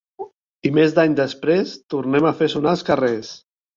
I més d'any després... tornem a fer sonar els carrers!